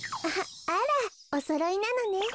あらおそろいなのね。